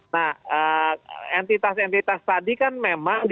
nah entitas entitas tadi kan memang